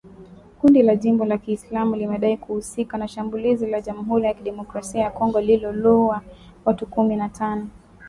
Kundi la Jimbo la Kiislamu limedai kuhusika na shambulizi la Jamhuri ya Kidemokrasia ya Kongo lililouwa watu kumi na tano